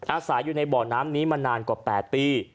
อาศัยอยู่ในบ่อน้ำนี้มานานกว่า๘ปี